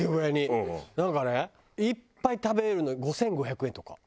なんかねいっぱい食べれるの５５００円とか。